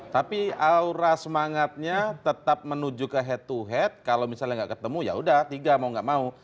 tapi aura semangatnya tetap menuju ke head to head kalau misalnya nggak ketemu yaudah tiga mau gak mau